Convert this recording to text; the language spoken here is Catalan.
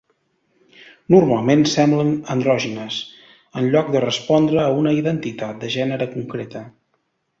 Normalment semblen andrògines, en lloc de respondre a una identitat de gènere concreta.